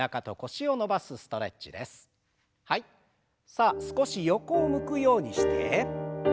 さあ少し横を向くようにして。